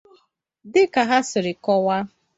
dịka ha siri kọwaa